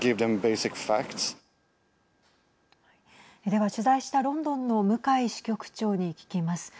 では、取材したロンドンの向井支局長に聞きます。